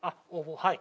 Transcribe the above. はい。